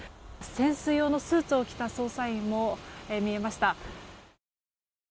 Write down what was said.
潜水用のスーツを着た捜査員も見えました。